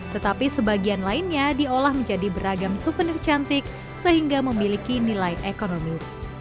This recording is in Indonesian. tetapi sebagian lainnya diolah menjadi beragam souvenir cantik sehingga memiliki nilai ekonomis